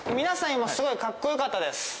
皆さん今すごいカッコよかったです。